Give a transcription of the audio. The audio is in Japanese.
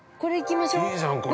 いいじゃん、これ。